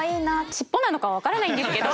しっぽなのかは分からないんですけど。